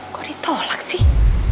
kok ditolak sih